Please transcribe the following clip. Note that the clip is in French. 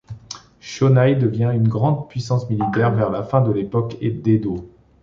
Shōnai devient une grande puissance militaire vers la fin de l'époque d'Edo.